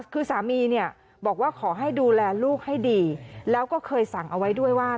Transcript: คือสามีเนี่ยบอกว่าขอให้ดูแลลูกให้ดีแล้วก็เคยสั่งเอาไว้ด้วยว่า